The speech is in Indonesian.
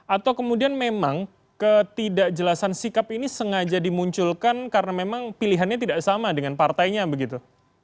atau kemudian memang ketidakjelasan sikap ini sengaja dimunculkan karena memang pilihannya tidak sama dengan partainya begitu